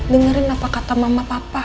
dengerin apa kata mama papa